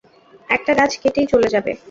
একটা গাছ কেটেই চলে যাবে।